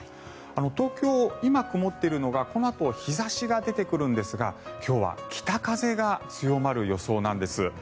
東京、今曇っているのがこのあと日差しが出てくるんですが今日は北風が強まる予想なんです。